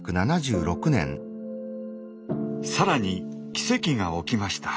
さらに奇跡が起きました。